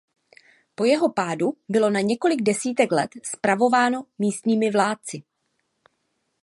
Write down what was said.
Po jeho pádu bylo na několik desítek let spravováno místními vládci.